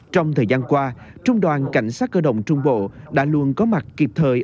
trong thời gian qua trung đoàn cảnh sát cơ động trung bộ đã luôn có mặt kịp thời